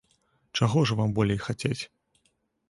Чаго ж вам болей хацець?